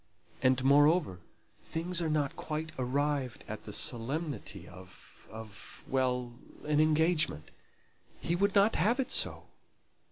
And, moreover, things are not quite arrived at the solemnity of of well an engagement. He would not have it so.